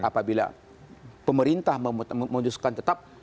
apabila pemerintah menunjukkan tetap